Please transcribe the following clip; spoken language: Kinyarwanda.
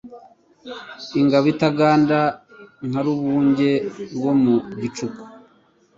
Ingabo itagandaNka Rubunge rwo mu gicuku